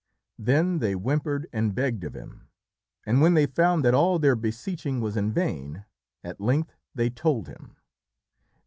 Then they whimpered and begged of him, and when they found that all their beseeching was in vain, at length they told him.